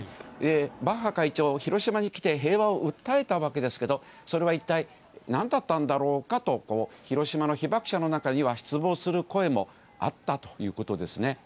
バッハ会長、広島に来て、平和を訴えたわけですけれども、それは一体、なんだったんだろうかと、広島の被爆者の中には、失望する声もあったということですね。